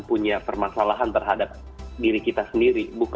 punya permasalahan terhadap diri kita sendiri